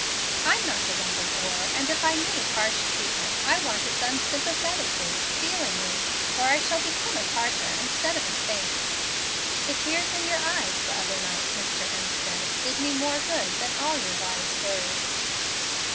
I'm not a lump of ore, and if I need harsh treatment I want it done sympathetically, feelingly, or I shall become a Tartar instead of a saint. The tears in your eyes the other night, Mr. Hemstead, did me more good than all your wise words."